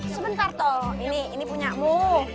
sebentar toh ini punya mu